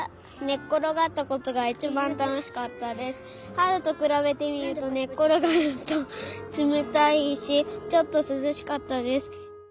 はるとくらべてみるとねっころがるとつめたいしちょっとすずしかったです。